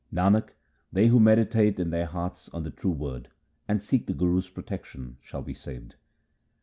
Nanak, they who meditate in their hearts on the true Word and seek the Guru's protection shall be saved.